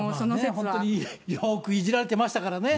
本当によくいじられてましたからね。